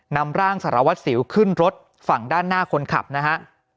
นำร่างสารวัตรสิวขึ้นรถฝั่งด้านหน้าคนขับนะฮะ